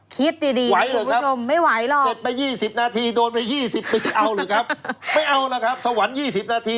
เข้าแล้วสวรรค์๒๐นาที